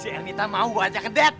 si ernita mau ajak ngedet